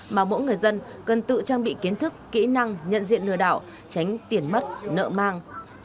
mà mỗi người dân cần tự trang bị kiến thức kỹ năng nhận diện lừa đảo tránh tiền mất nợ mang